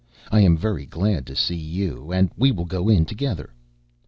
I am very glad to see you, and we will go in together."